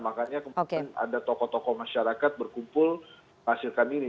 makanya kemudian ada tokoh tokoh masyarakat berkumpul menghasilkan ini